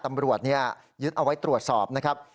ตำรวจยึดเอาไว้ตรวจสอบนะครับ